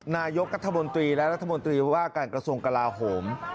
นายกัธมนตรีและรัฐมนตรีว่าการกระทรวงกลาโหม